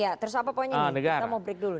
ya terus apa poinnya kita mau break dulu